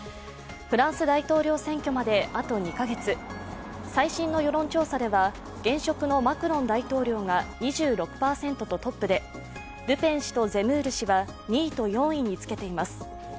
フランス大統領選挙まであと２カ月最新の世論調査では現職のマクロン大統領が２６％とトップで、ルペン氏とゼムール氏は２位と４位につけています。